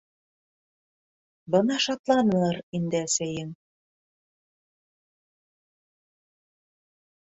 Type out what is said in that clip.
Бына шатланыр инде әсәйең!